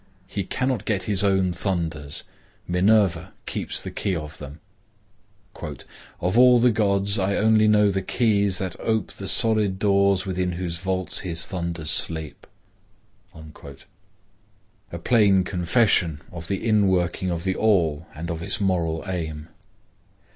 He cannot get his own thunders; Minerva keeps the key of them:— "Of all the gods, I only know the keys That ope the solid doors within whose vaults His thunders sleep." A plain confession of the in working of the All and of its moral aim.